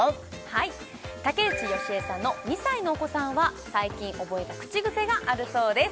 はい竹内由恵さんの２歳のお子さんは最近覚えた口癖があるそうです